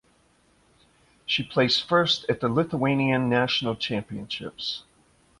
She placed first at the Lithuanian national championships.